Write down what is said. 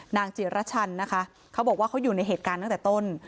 จิรชันนะคะเขาบอกว่าเขาอยู่ในเหตุการณ์ตั้งแต่ต้น